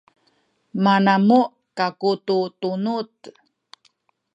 manamuh kaku tu tunuz